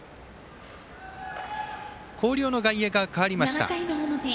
広陵の外野が変わりました。